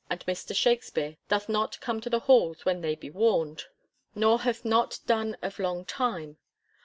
. and Mr. Shaxpere dothe not come to the halles when they be warned, nor bathe not done of long tyme."